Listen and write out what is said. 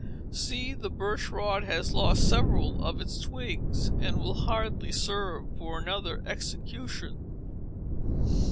See! the birch rod has lost several of its twigs, and will hardly serve for another execution.